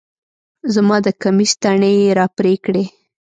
زما د کميس تڼۍ يې راپرې کړې